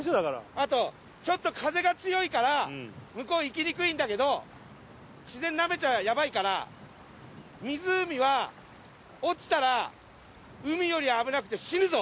あとちょっと風が強いからこう行きにくいんだけど然なめちゃヤバいから。は落ちたらより危なくて死ぬぞ！